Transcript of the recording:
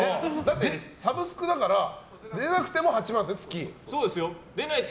サブスクだから出なくても８万円ですよ、月。